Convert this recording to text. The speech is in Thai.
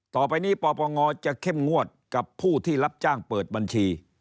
ต่อไปนี้ปปงจะเข้มงวดกับผู้ที่รับจ้างเปิดบัญชี